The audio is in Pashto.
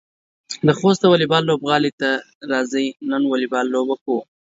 د خوست واليبال لوبغالي ته راځئ، نن د واليبال لوبه کوو.